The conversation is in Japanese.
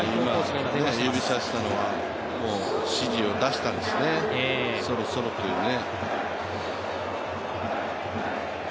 今指差したのは指示を出したんですね、そろそろというね。